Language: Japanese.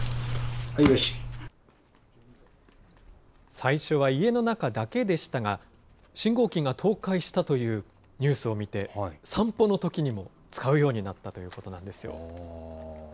最初は家の中だけでしたが、信号機が倒壊したというニュースを見て、散歩のときにも使うようになったということなんですよ。